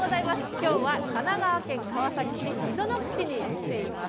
きょうはかなり神奈川県川崎市溝の口に来ています。